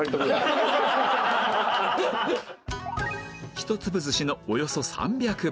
一粒寿司のおよそ３００倍